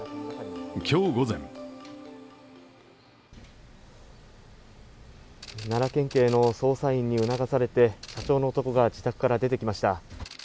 今日午前奈良県警の捜査員に促されて社長の男が自宅から出てきました。